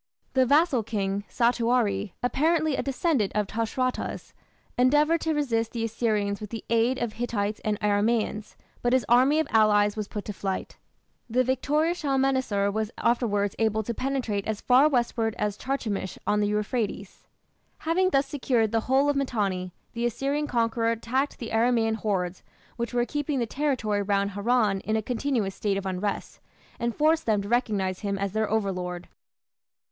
The vassal king, Sattuari, apparently a descendant of Tushratta's, endeavoured to resist the Assyrians with the aid of Hittites and Aramaeans, but his army of allies was put to flight. The victorious Shalmaneser was afterwards able to penetrate as far westward as Carchemish on the Euphrates. Having thus secured the whole of Mitanni, the Assyrian conqueror attacked the Aramaean hordes which were keeping the territory round Haran in a continuous state of unrest, and forced them to recognize him as their overlord.